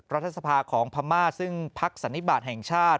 รัฐสภาของพม่าซึ่งพักสันนิบาทแห่งชาติ